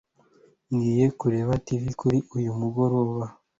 ngiye kureba tv kuri uyu mugoroba